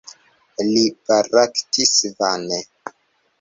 Li baraktis vane.